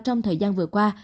trong thời gian vừa qua